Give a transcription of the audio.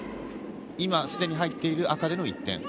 すでに入っている赤での１点。